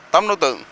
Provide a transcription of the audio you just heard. tấm đối tượng